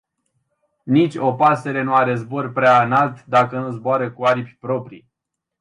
Nici o pasăre nu are zbor prea înalt, dacă nu zboară cu aripi proprii.